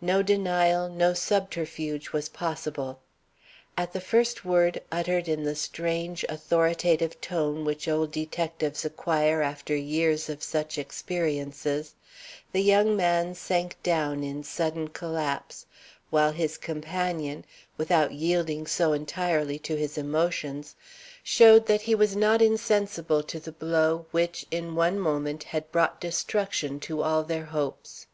No denial, no subterfuge was possible. At the first word uttered in the strange, authoritative tone which old detectives acquire after years of such experiences, the young man sank down in sudden collapse, while his companion, without yielding so entirely to his emotions, showed that he was not insensible to the blow which, in one moment, had brought destruction to all their hopes.